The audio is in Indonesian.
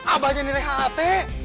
abah nyari neng ht